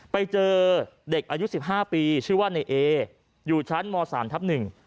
ไปเจอเด็กอายุสิบห้าปีชื่อว่าในเออยู่ชั้นมสามทับหนึ่ง